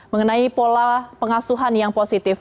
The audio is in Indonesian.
mengenai pola pengasuhan yang positif